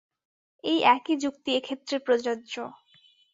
এই একই যুক্তি এক্ষেত্রে প্রযোজ্য।